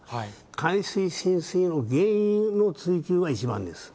海水浸水の原因の追及が一番です。